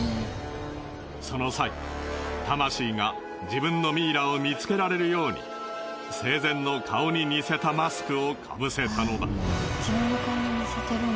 その際魂が自分のミイラを見つけられるように生前の顔に似せたマスクをかぶせたのだ。